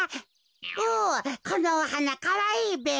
おこのおはなかわいいべ。